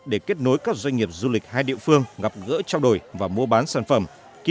để kết nối các doanh nghiệp du lịch hai địa phương gặp gỡ trao đổi và mua bán sản phẩm